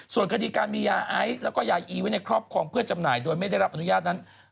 ส่วนคดีการมียาไอซ์แล้วก็ยาอีไว้ในครอบครองเพื่อจำหน่ายโดยไม่ได้รับอนุญาตนั้น